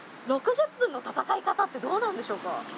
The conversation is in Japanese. ６０分の戦い方ってどうなんでしょうか？